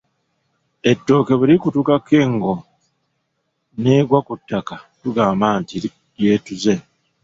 Ettooke bwe likutukako engo n'egwa ku ttaka tugamba nti lyetuze.